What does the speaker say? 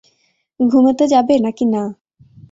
ঘুমাতে যাবে নাকি না?